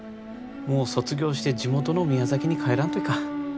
もう卒業して地元の宮崎に帰らんといかん。